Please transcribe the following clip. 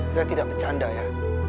saya tidak bercanda ya